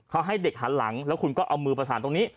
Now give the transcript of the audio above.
เขาให้เด็กหันหลังแล้วคุณก็เอามือประสานตรงนี้